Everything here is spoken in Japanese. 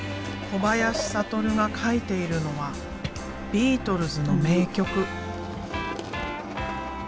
小林覚が描いているのはビートルズの名曲。